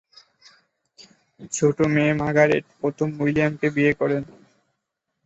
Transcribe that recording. ছোট মেয়ে মার্গারেট, প্রথম উইলিয়ামকে বিয়ে করেন।